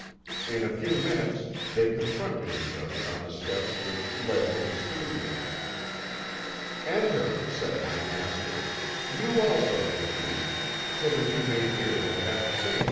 "In a few minutes they confronted each other on the steps which led to the studio. "'Enter,' said my master; 'you also, Denise, so that you may hear what I have to say to M.